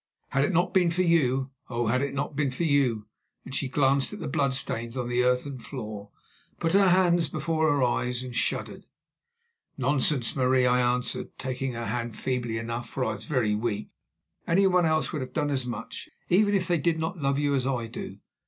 Had it not been for you, oh! had it not been for you"—and she glanced at the blood stains on the earthen floor, put her hands before her eyes and shuddered. "Nonsense, Marie," I answered, taking her hand feebly enough, for I was very weak. "Anyone else would have done as much, even if they did not love you as I do.